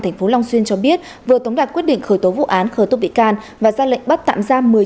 tp long xuyên cho biết vừa tống đạt quyết định khởi tố vụ án khởi tố bị can và ra lệnh bắt tạm giam